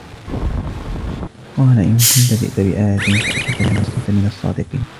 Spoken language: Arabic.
قال إن كنت جئت بآية فأت بها إن كنت من الصادقين